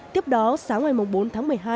tiếp đó sáng ngày bốn tháng một mươi hai